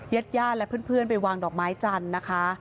ญาติญาติและเพื่อนไปวางดอกไม้จันทร์นะคะ